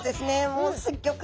もうすっギョく